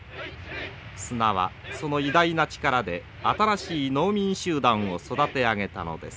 砂はその偉大な力で新しい農民集団を育て上げたのです。